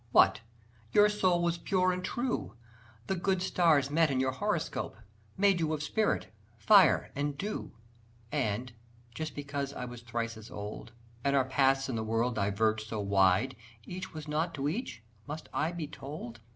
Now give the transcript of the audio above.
What, your soul was pure and true, The good stars met in your horoscope, Made you of spirit, fire and dew And, just because I was thrice as old And our paths in the world diverged so wide, Each was nought to each, must I be told?